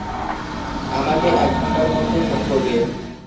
আমাকে এক ঘন্টার মধ্যে ফোন করবে।